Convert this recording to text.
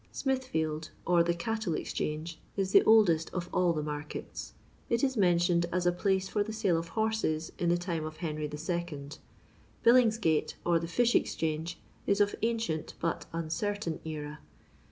Hmithfield, or the Cattle Exchange, is the oldest of all the markets ; it is mentioned as a place for the sale of horses in the time of Henry II. Billingsgate, or the Fish Exchange, is of ancient, but uncertain era.